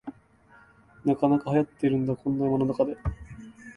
なかなかはやってるんだ、こんな山の中で